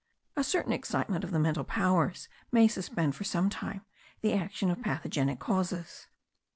A certain excitement of the mental powers may suspend for some time the action of pathogenic causes.